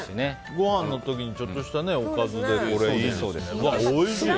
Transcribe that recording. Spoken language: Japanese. ごはんの時にちょっとしたおかずでいいですね。